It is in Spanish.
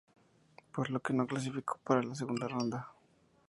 Por lo que no clasificó para la segunda ronda.